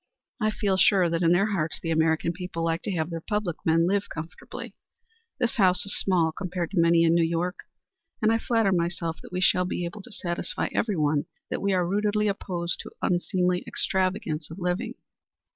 I feel sure that in their hearts the American people like to have their public men live comfortably. This house is small compared to many in New York, and I flatter myself that we shall be able to satisfy everyone that we are rootedly opposed to unseemly extravagance of living."